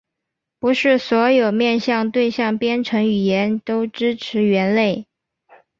不是所有面向对象编程语言都支持元类。